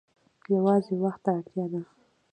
یوازې وخت ته اړتیا ده.